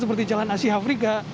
seperti jalan asia afrika